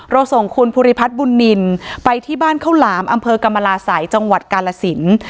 ส่งคุณภูริพัฒน์บุญนินไปที่บ้านข้าวหลามอำเภอกรรมราศัยจังหวัดกาลสิน